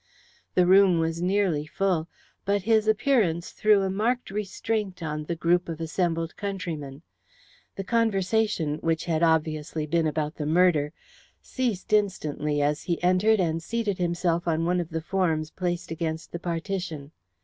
The room was nearly full, but his appearance threw a marked restraint on the group of assembled countrymen. The conversation, which had obviously been about the murder, ceased instantly as he entered and seated himself on one of the forms placed against the partition.